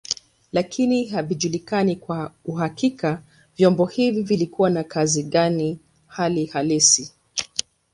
Lakini haijulikani kwa uhakika vyombo hivyo vilikuwa na kazi gani hali halisi.